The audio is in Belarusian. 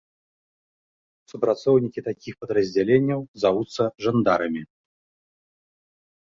Супрацоўнікі такіх падраздзяленняў завуцца жандарамі.